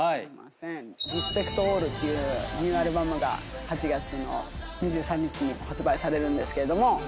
『ＲＥＳＰＥＣＴＡＬＬ』っていうニューアルバムが８月の２３日に発売されるんですけども。